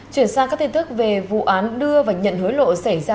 chuyển sang các tin tức về vụ án đưa và nhận hối lộ xảy ra